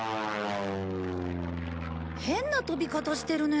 変な飛び方してるね。